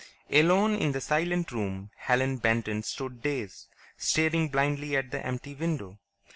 Alone in the silent room, Helen Benton stood dazed, staring blindly at the empty window.